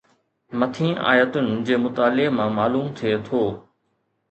مٿين آيتن جي مطالعي مان معلوم ٿئي ٿو